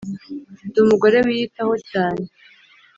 ndi umugore wiyitaho cyane